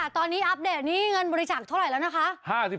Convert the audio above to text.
ตอนนี้อัปเดตนี้เงินบริจาคเท่าไหร่แล้วนะคะ